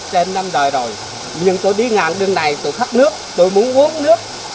trên năm đời rồi nhưng tôi đi ngang đường này tôi thoát nước tôi muốn uống nước